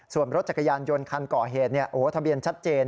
ส่วนรถจักรยานยนต์คันก่อเหตุทะเบียนชัดเจน